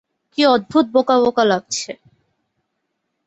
কী অদ্ভুত বোকা বোকা লাগছে।